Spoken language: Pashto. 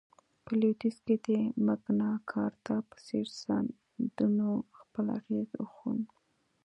په لوېدیځ کې د مګناکارتا په څېر سندونو خپل اغېز وښند.